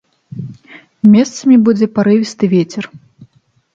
Месцамі будзе парывісты вецер.